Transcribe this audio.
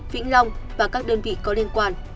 vĩnh long và các đơn vị có liên quan